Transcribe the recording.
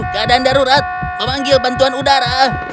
seribu tujuh ratus sepuluh keadaan darurat memanggil bantuan udara